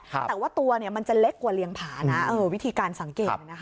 แต่ว่าตัวมันจะเล็กกว่าเรียงผานะวิธีการสังเกต